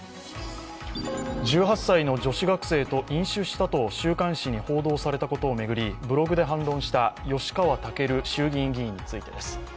１８歳の女子学生と飲酒したと週刊誌に報道されたことについて、ブログで反論した吉川赳衆議院議員についてです。